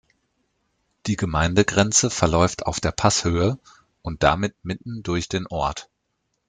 Die Gemeindegrenze verläuft auf der Passhöhe und damit mitten durch den Ort.